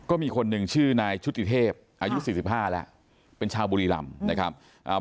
ก็มีคนหนึ่งชื่อนายชุธิเทพอายุ๔๕แล้วเป็นชาวบุรีรำนะครับ